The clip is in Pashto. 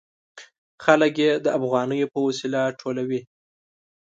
خلک یې د افغانیو په وسیله ټولوي.